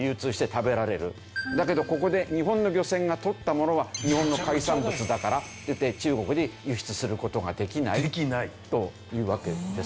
だけどここで日本の漁船が取ったものは日本の海産物だからっていって中国に輸出する事ができないというわけですよね。